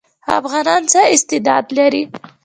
افغانان څه استعداد لري؟